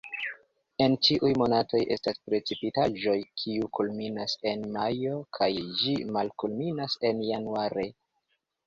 En ĉiuj monatoj estas precipitaĵoj, kiu kulminas en majo kaj ĝi malkulminas en januare.